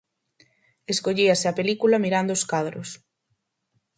Escollíase a película mirando os cadros.